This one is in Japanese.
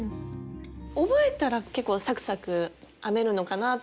覚えたら結構サクサク編めるのかなと思いましたね。